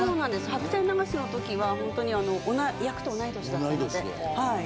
『白線流し』の時は本当に役と同い年だったのではい。